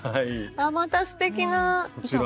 またすてきな。